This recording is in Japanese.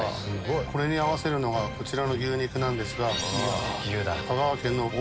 これに合わせるのがこちらの牛肉なんですが。